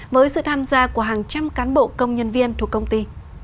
với sự tham gia của hàng trăm cán bộ công nhân viên thuộc công ty